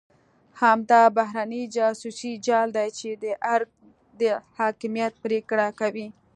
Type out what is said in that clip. همدا بهرنی جاسوسي جال دی چې د ارګ د حاکمیت پرېکړه کوي.